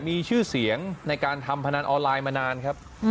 มีชื่อเสียงในการทำพนันออนไลน์มานานครับ